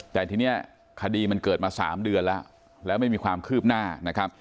แต่ทีนี้คดีมันเกิดมา๓เดือนแล้วแล้วไม่มีความคืบหน้านะครับ